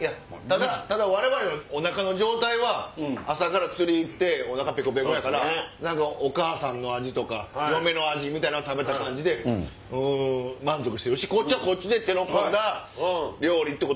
ただ我々のおなかの状態は朝から釣りに行っておなかペコペコやからお母さんの味とか嫁の味みたいな感じで満足してるしこっちは手の込んだ料理で。